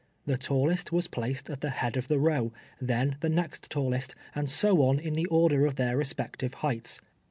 The tallest was placed at the head of the row, then the next tallest, and so on in the order of their respective heights.